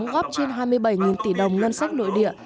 ngành than đã nỗ lực đóng góp trên hai mươi bảy tỷ đồng ngân sách nội địa